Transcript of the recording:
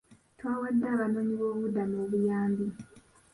Twawadde abanoonyiboobubudamu obuyambi.